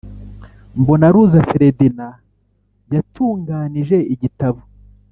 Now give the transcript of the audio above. Mbonaruza Ferdinand yatunganije igitabo.